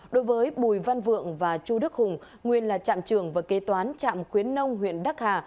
đối với bùi văn vượng và chu đức hùng nguyên là trạm trưởng và kế toán trạm khuyến nông huyện đắc hà